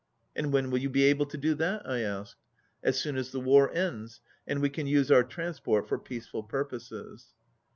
"And when will you be able to do that^" I asked. "As soon as the war ends, and we can use our transport for peaceful purposes."